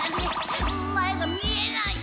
前が見えない。